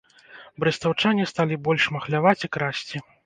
Брэстаўчане сталі больш махляваць і красці.